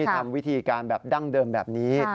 ทำวิธีการแบบดั้งเดิมแบบนี้